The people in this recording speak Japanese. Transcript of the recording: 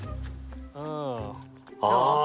ああ。